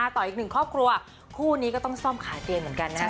ต่ออีกหนึ่งครอบครัวคู่นี้ก็ต้องซ่อมขายเตียงเหมือนกันนะครับ